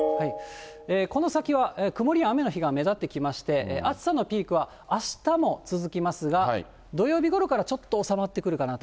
この先は、曇りや雨の日が目立ってきまして、暑さのピークはあしたも続きますが、土曜日ごろからちょっと収まってくるかなと。